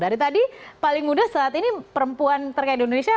dari tadi paling muda saat ini perempuan terkaya di indonesia